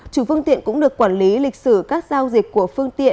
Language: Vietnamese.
chủ phương tiện cũng được quản lý lịch sử các giao dịch của phương tiện